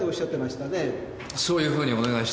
そういうふうにお願いしたんです。